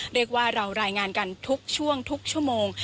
เรียกว่าเรารายงานกันทุกช่วงทุกชั่วโมง